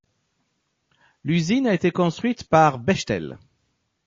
L'usine a été construite par Bechtel.